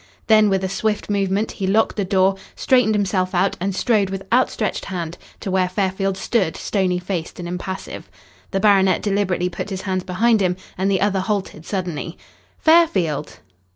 Then, with a swift movement, he locked the door, straightened himself out, and strode with outstretched hand to where Fairfield stood, stony faced and impassive. The baronet deliberately put his hands behind him, and the other halted suddenly. "Fairfield!"